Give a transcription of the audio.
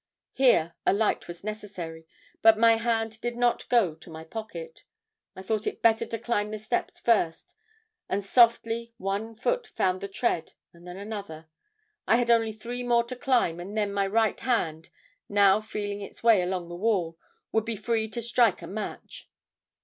Here a light was necessary, but my hand did not go to my pocket. I thought it better to climb the steps first, and softly one foot found the tread and then another. I had only three more to climb and then my right hand, now feeling its way along the wall, would be free to strike a match.